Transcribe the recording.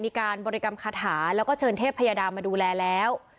มีการบริกรรมคาถาแล้วก็เชิญเทพยาดามาดูแลแล้ว